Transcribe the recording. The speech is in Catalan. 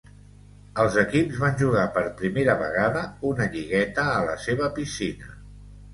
Els equips van jugar per primera vegada una lligueta a la seva piscina.